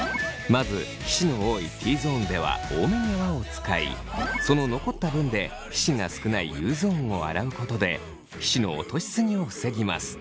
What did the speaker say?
まず皮脂の多いＴゾーンでは多めに泡を使いその残った分で皮脂が少ないＵゾーンを洗うことで皮脂の落としすぎを防ぎます。